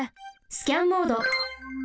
スキャンモード。